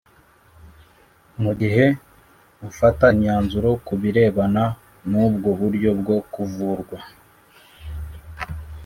Mu gihe ufata imyanzuro ku birebana n ubwo buryo bwo kuvurwa